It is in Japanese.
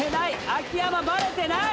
秋山バレてない！